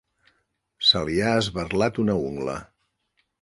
Se li ha esberlat una ungla.